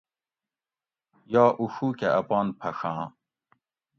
یا اُڛو کہ اپان پھڛاں